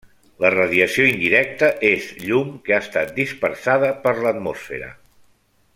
La radiació indirecta és llum que ha estat dispersada per l'atmosfera.